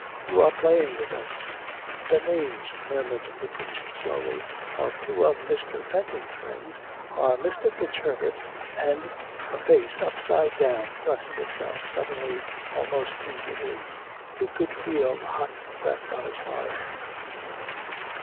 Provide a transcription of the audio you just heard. " You are playing with us "" The names," murmured the priest slowly, " of two of Mr. Fenton's friends are Mr. FitzHerbert and " A face, upside down, thrust itself suddenly almost into his. He could feel the hot breath on his forehead.